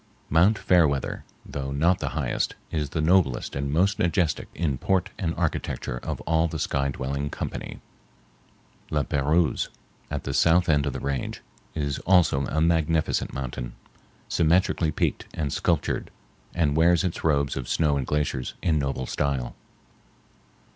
Mt. Fairweather, though not the highest, is the noblest and most majestic in port and architecture of all the sky dwelling company. La Pérouse, at the south end of the range, is also a magnificent mountain, symmetrically peaked and sculptured, and wears its robes of snow and glaciers in noble style.